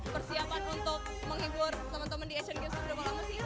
persiapan untuk menghibur teman teman di asian games berapa lama sih